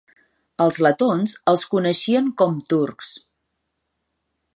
El letons els coneixien com turcs.